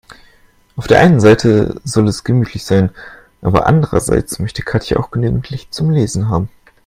Auf der einen Seite soll es gemütlich sein, aber andererseits möchte Katja auch genügend Licht zum Lesen haben.